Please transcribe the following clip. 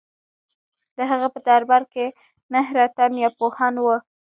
د هغه په دربار کې نهه رتن یا پوهان وو.